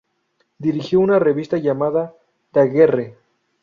Dirigió una revista llamada "Daguerre.